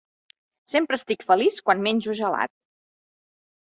Sempre estic feliç quan menjo gelat.